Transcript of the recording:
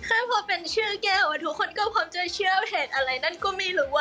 ถ้าพอเป็นชื่อแก้วทุกคนก็พร้อมจะเชื่อเหตุอะไรนั่นก็ไม่รู้